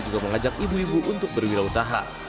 juga mengajak ibu ibu untuk berwirausaha